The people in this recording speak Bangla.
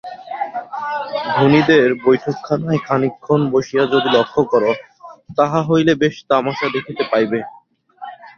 ধনীদের বৈঠকখানায় খানিকক্ষণ বসিয়া যদি লক্ষ্য কর, তাহা হইলে বেশ তামাসা দেখিতে পাইবে।